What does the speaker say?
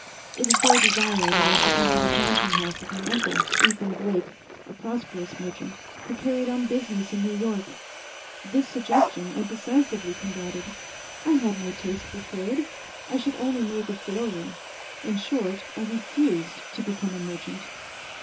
It was their desire that I should enter the counting house of my uncle, Ethan Blake, a prosperous merchant, who carried on business in New York. This suggestion I decisively combated. I had no taste for trade; I should only make a failure; in short, I refused to become a merchant.